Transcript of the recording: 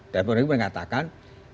dan menurut dia mengatakan